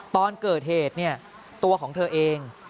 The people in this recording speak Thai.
ตอนเกิดเหตุเนี่ยตัวของเธอเอง